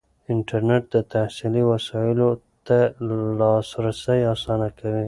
انټرنیټ د تحصیلي وسایلو ته لاسرسی اسانه کوي.